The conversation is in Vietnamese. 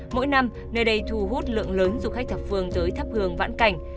mỗi năm nơi đây thu hút lượng lớn du khách thập phương tới thắp hương vãn cảnh